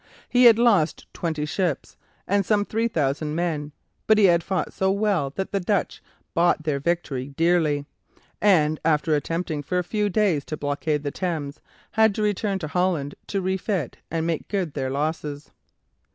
He had lost twenty ships and some three thousand men; but he had fought so well that the Dutch bought their victory dearly, and, after attempting for a few days to blockade the Thames, had to return to Holland to refit and make good their losses.